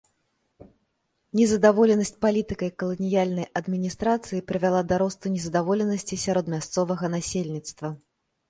Незадаволенасць палітыкай каланіяльнай адміністрацыі прывяла да росту незадаволенасці сярод мясцовага насельніцтва.